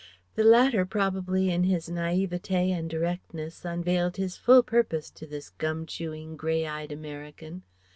The latter probably in his naïveté and directness unveiled his full purpose to this gum chewing, grey eyed American.